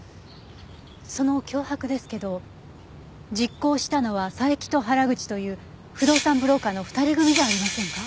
その脅迫ですけど実行したのは佐伯と原口という不動産ブローカーの２人組じゃありませんか？